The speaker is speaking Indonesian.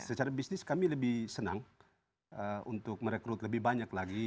secara bisnis kami lebih senang untuk merekrut lebih banyak lagi